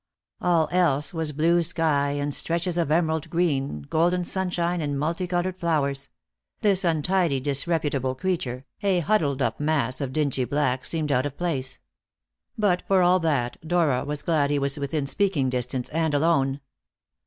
All else was blue sky and stretches of emerald green, golden sunshine, and multicoloured flowers; this untidy, disreputable creature, a huddled up mass of dingy black, seemed out of place. But, for all that, Dora was glad he was within speaking distance, and alone.